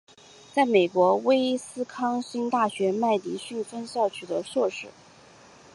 在美国威斯康辛大学麦迪逊分校取得硕士。